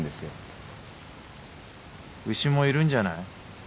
牛もいるんじゃない？